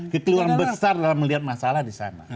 keteluan besar dalam melihat masalah disana